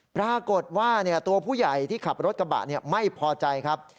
ปรากฏว่าตัวผู้ใหญ่ที่ขับรถกระบะไม่พอใจครับ